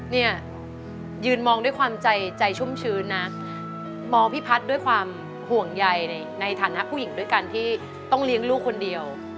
เนี่ยยืนมองด้วยความใจใจชุ่มชื้นนะมองพี่พัฒน์ด้วยความห่วงใยในฐานะผู้หญิงด้วยกันที่ต้องเลี้ยงลูกคนเดียว